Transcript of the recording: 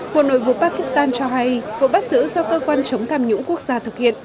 cuộc nội vụ pakistan cho hay vụ bắt xử do cơ quan chống tham nhũng quốc gia thực hiện